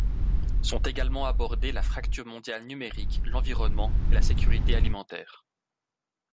Sont également abordé la fracture mondiale numérique, l'environnement et la sécurité alimentaire.